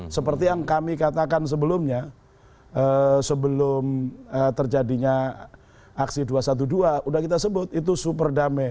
seperti yang kami katakan sebelumnya sebelum terjadinya aksi dua ratus dua belas sudah kita sebut itu super damai